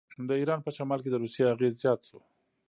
د ایران په شمال کې د روسیې اغېز زیات شو.